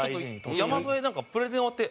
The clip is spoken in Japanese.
山添なんかプレゼン終わって。